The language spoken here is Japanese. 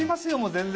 全然。